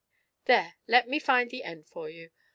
''There, let me find the end for you.